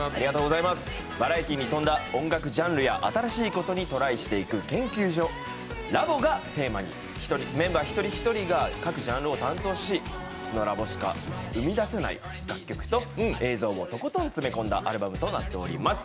バラエティーに富んだ音楽ジャンルや新しいことにトライしていく研究所＝ラボをテーマにメンバーの一人一人が各ジャンルを担当し、スノラボしか生み出せない楽曲と映像をとことん詰め込んだアルバムとなっております。